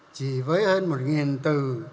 chỉ với hơn một từ